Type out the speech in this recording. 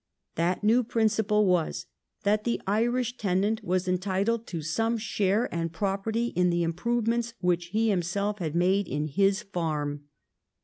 That new principle was that the Irish tenant was entitled to some share and property in the im provements which he himself had made in his farm.